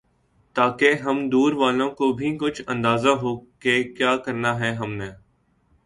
تاکہ ہم دور والوں کو بھی کچھ اندازہ ہوکہ کیا کرنا ہے ہم نے